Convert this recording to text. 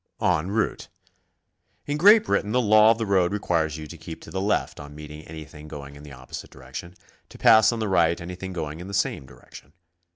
EN ROUTE. In Great Britain the law of the road requires you to keep to the left on meeting anything going in the opposite direction, to pass on the right anything going in the same direction.